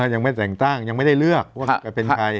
ยังไม่แต่งตั้งยังไม่ได้เลือกว่าจะเป็นใคร